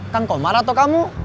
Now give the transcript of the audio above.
kang komar atau kamu